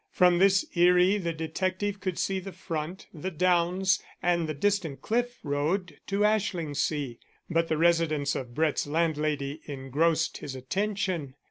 From this eyrie the detective could see the front, the downs, and the distant cliff road to Ashlingsea; but the residence of Brett's landlady engrossed his attention.